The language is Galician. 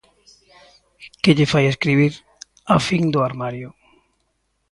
Que lle fai escribir "A fin do armario"?